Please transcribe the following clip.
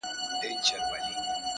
د خان کشري لور ژړل ویل یې پلاره -